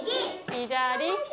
左！